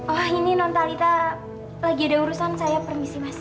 oh ini nontalita lagi ada urusan saya permisi mas